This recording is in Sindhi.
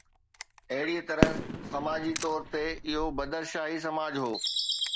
اهڙيءَ طرح سماجي طور تي اهو پدرشاهي سماج هو.